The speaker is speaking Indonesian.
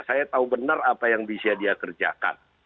saya tahu benar apa yang bisa dia kerjakan